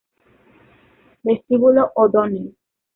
Vestíbulo O'Donnell